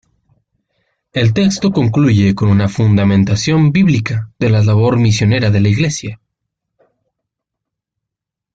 El texto concluye con una fundamentación bíblica de la labor misionera de la Iglesia.